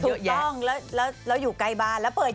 ถูกต้องแล้วอยู่ใกล้บ้าน